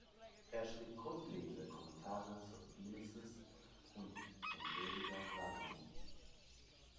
Er schrieb grundlegende Kommentare zur Genesis und zum Prediger Salomos.